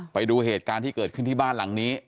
ไปดูเหตุการณ์ที่เกิดขึ้นที่บ้านหลังนี้